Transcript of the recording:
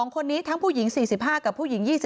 ๒คนนี้ทั้งผู้หญิง๔๕กับผู้หญิง๒๕